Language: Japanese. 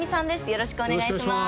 よろしくお願いします。